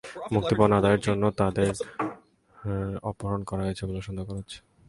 মুক্তিপণ আদায়ের জন্য তাঁদের অপহরণ করা হয়েছে বলে সন্দেহ করা হচ্ছে।